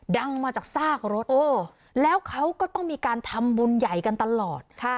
ดังมาจากซากรถแล้วเขาก็ต้องมีการทำบุญใหญ่กันตลอด